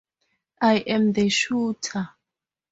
I am the shooter.